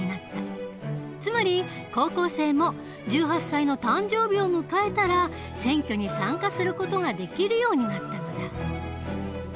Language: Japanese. つまり高校生も１８歳の誕生日を迎えたら選挙に参加する事ができるようになったのだ。